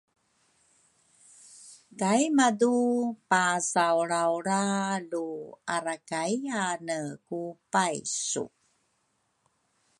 Kai madu paasaulrawlra lu arakayyane ku paysu